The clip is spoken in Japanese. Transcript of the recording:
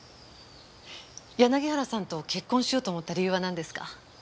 柳原さんと結婚しようと思った理由はなんですか？